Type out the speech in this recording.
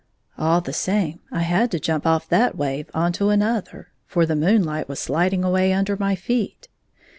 All the same I had to jump off that wave on to another, for the moonlight was sUding away under my feet.